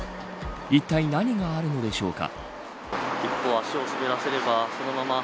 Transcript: いったい何があるのでしょうか。